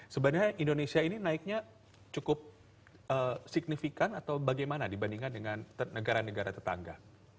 sebenarnya indonesia ini naiknya cukup signifikan atau bagaimana dibandingkan dengan negara negara tetangga